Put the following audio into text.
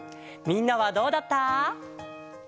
みんなはどうだった？